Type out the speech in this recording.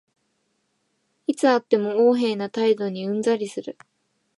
いつ会っても横柄な態度にうんざりする